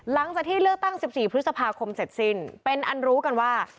หลังจากที่เลือกตั้ง๑๔พฤษภาคมเสร็จสิ้นเป็นอันรู้กันว่า